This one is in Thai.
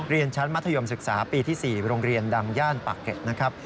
เรียนชั้นมัธยมศึกษาปีที่๔โรงเรียนดังย่านปากเก็ตนะครับ